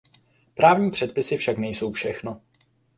Právní předpisy však nejsou všechno.